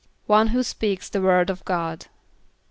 =One who speaks the word of God.